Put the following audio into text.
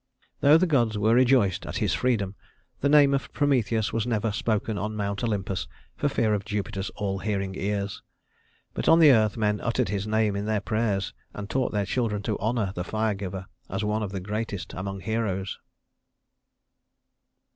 Though the gods were rejoiced at his freedom, the name of Prometheus was never spoken on Mount Olympus for fear of Jupiter's all hearing ears; but on the earth men uttered his name in their prayers and taught their children to honor the Fire giver as one of the greatest among heroes.